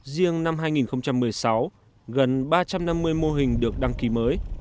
riêng năm hai nghìn một mươi sáu gần ba trăm năm mươi mô hình được đăng ký mới